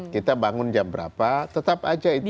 kita bangun jam berapa tetap aja itu